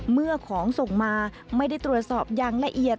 เมื่อของส่งมาไม่ได้ตรวจสอบอย่างละเอียด